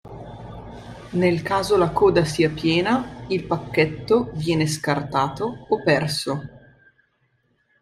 Nel caso la coda sia piena, il pacchetto viene scartato o perso.